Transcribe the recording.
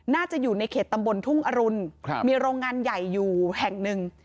น่าจะอยู่ในเขตตำบลทุ่งอรุณมีโรงงานใหญ่อยู่แห่งหนึ่ง